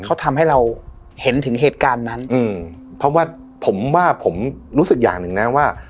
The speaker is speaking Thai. เขาทำให้เราเห็นถึงเหตุการณ์นั้นอืมเพราะว่าผมว่าผมรู้สึกอย่างหนึ่งนะว่า